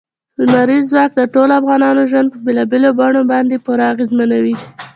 لمریز ځواک د ټولو افغانانو ژوند په بېلابېلو بڼو باندې پوره اغېزمنوي.